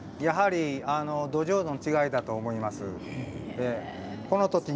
やはり土壌の違いだと思います。